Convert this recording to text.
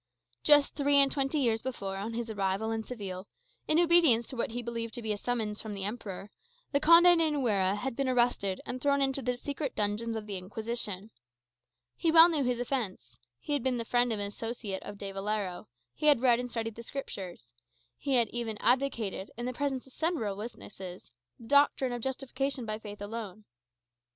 Just three and twenty years before, on his arrival in Seville, in obedience to what he believed to be a summons from the Emperor, the Conde de Nuera had been arrested and thrown into the secret dungeons of the Inquisition. He well knew his offence: he had been the friend and associate of De Valero; he had read and studied the Scriptures; he had even advocated, in the presence of several witnesses, the doctrine of justification by faith alone.